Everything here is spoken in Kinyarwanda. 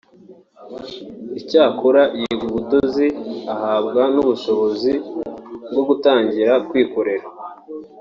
icyakora yiga ubudozi ahabwa n’ubushobozi bwo gutangira kwikorera